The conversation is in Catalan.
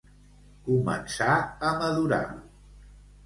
Començar a madurar.